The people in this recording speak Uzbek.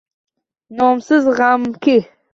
Nomsiz g’amki